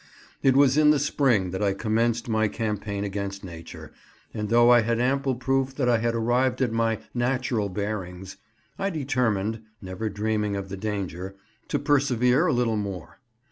It was in the spring that I commenced my campaign against nature, and though I had ample proof that I had arrived at my "natural bearings," I determined (never dreaming of the danger) to persevere a little more.